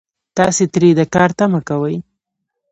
تاسو ترې د کار تمه کوئ